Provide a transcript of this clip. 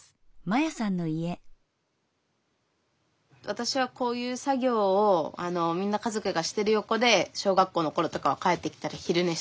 わたしはこういう作業をみんな家族がしてる横で小学校のころとかは帰ってきたらひるねしたりとか。